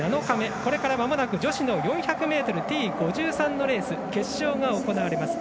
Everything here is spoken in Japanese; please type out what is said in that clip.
これから女子の４００ｍＴ５３のレース決勝が行われます。